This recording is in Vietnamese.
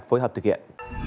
phối hợp thực hiện